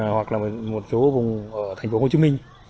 hoặc là một số vùng ở thành phố hồ chí minh